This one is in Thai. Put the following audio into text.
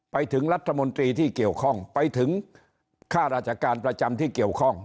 ไปถึงรัฐมนตรีที่เกี่ยวข้องไปถึงค่าราชการประจำที่เกี่ยวข้อง